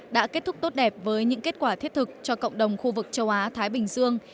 đã kết thúc tốt đẹp với những kết quả thiết thực cho cộng đồng khu vực châu á thái bình dương